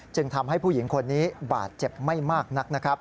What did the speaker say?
จึงทำให้ผู้หญิงคนนี้บาดเจ็บไม่มากนักนะครับ